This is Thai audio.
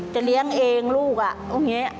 จะเลี้ยงเองลูกอ่ะตรงนี้